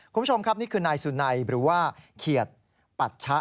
คุณผู้ชมครับนี่คือนายสุนัยหรือว่าเขียดปัชชะ